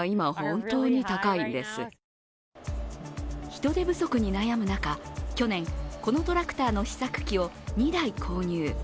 人手不足に悩む中、去年このトラクターの試作機を２台購入。